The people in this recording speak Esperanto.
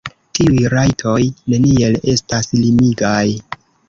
Tiuj rajtoj neniel estas limigaj.